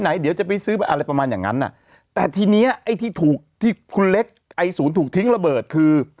เดี๋ยวจะไปซื้อไปอะไรประมาณอย่างนั้นอ่ะแต่ทีเนี้ยไอ้ที่ถูกที่คุณเล็กไอ้ศูนย์ถูกทิ้งระเบิดคือ